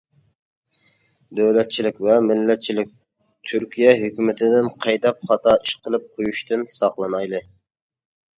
دۆلەتچىلىك ۋە مىللەتچىلىك تۈركىيە ھۆكۈمىتىدىن قېيىداپ خاتا ئىش قىلىپ قويۇشتىن ساقلىنايلى !